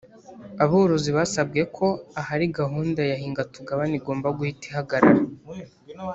Aborozi basabwe ko ahari gahunda ya hingatugabane igomba guhita ihagarara